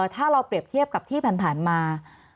ถ้าเราเปรียบเทียบกับที่ผ่านมา